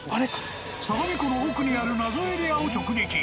相模湖の奥にある謎エリアを直撃。